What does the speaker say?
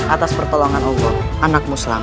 atas pertolongan allah anakmu selamat